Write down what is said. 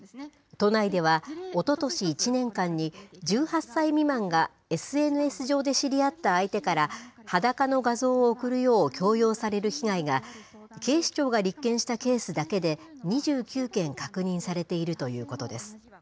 都内ではおととし１年間に、１８歳未満がＳＮＳ上で知り合った相手から、裸の画像を送るよう強要される被害が警視庁が立件したケースだけで、２９件確認されているということです。